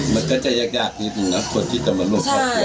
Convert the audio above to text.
มันก็จะยากนิดนึงนะคนที่จะมาร่วมครอบครัว